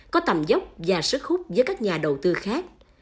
có tầm dốc và sức hút với các nhà đầu tư khác